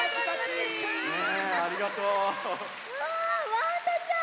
わわんだちゃん！